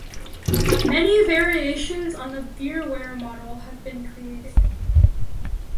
Many variations on the beerware model have been created.